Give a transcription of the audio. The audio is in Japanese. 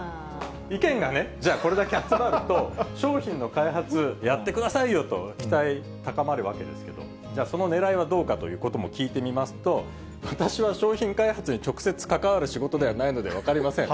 意見がね、じゃあこれだけ集まると、商品の開発やってくださいよと、期待高まるわけですけど、そのねらいはどうかということも聞いてみますと、私は商品開発に直接関わる仕事ではないので分かりません。